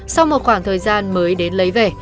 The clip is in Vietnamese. sau một khoảng thời gian mới đến lấy về